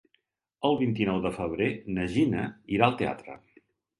El vint-i-nou de febrer na Gina irà al teatre.